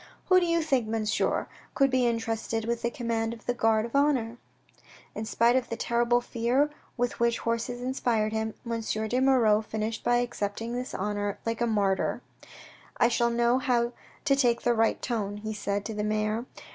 Who do you think, monsieur, could be entrusted with the command of the guard of honour ? In spite of the terrible fear with which horses inspired him, M. de Moirod finished by accepting this honour like a martyr. " I shall know how to take the right tone," he said to the mayor.